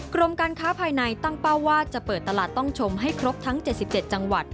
กรมการค้าภายในตั้งเป้าว่าจะเปิดตลาดต้องชมให้ครบทั้ง๗๗จังหวัด